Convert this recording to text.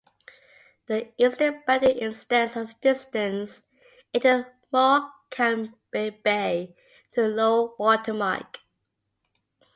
The eastern boundary extends some distance into Morecambe Bay to the low water mark.